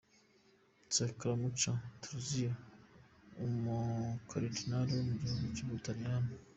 Scaramuccia Trivulzio, umukaridinali wo mu gihugu cy’u Butaliyani.